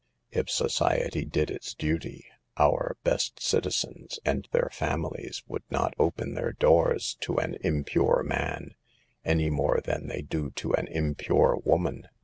If society did its duty, our " best citizens " and their families would not open their doors to an impure man, any more than they do to an impure woman.